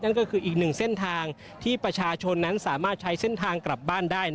ก็คืออีกหนึ่งเส้นทางที่ประชาชนนั้นสามารถใช้เส้นทางกลับบ้านได้